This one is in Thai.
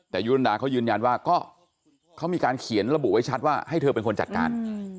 แต่ยุรุนดาเขายืนยันว่าก็เขามีการเขียนระบุไว้ชัดว่าให้เธอเป็นคนจัดการ